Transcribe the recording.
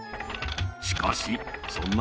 しかしそんな